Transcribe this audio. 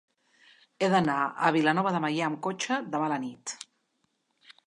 He d'anar a Vilanova de Meià amb cotxe demà a la nit.